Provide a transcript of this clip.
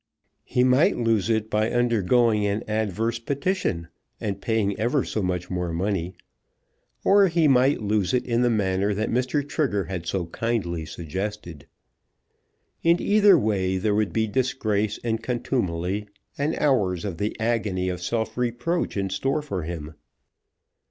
He might lose it by undergoing an adverse petition, and paying ever so much more money, or he might lose it in the manner that Mr. Trigger had so kindly suggested. In either way there would be disgrace, and contumely, and hours of the agony of self reproach in store for him!